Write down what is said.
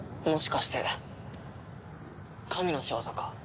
もしかして神の仕業か？